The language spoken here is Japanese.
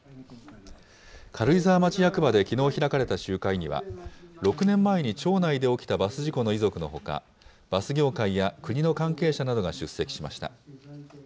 軽井沢町役場できのう開かれた集会には、６年前に町内で起きたバス事故の遺族のほか、バス業界や国の関係者などが出席しました。